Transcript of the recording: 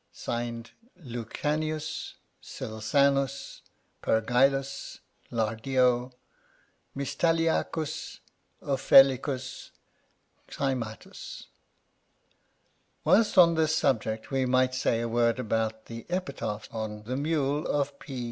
(Signed) Lucanicus. Celsanus. Pergillus. Lardio. Mystialicus. Offellicus. Cymatus. Whilst on this subject we might say a word about the epitaph on the mule of P.